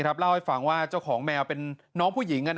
เล่าให้ฟังว่าเจ้าของแมวเป็นน้องผู้หญิง